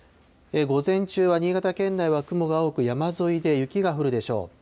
午前中は新潟県内は雲が多く、山沿いで雪が降るでしょう。